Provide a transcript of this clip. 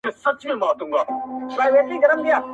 فکر مي وران دی حافظه مي ورانه .